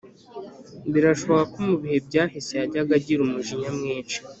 Birashoboka ko mu bihe byahise yajyaga agira umujinya mwinshi